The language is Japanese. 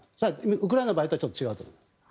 ウクライナの場合とはちょっと違うと思います。